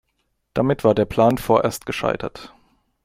Damit war der Plan vorerst gescheitert.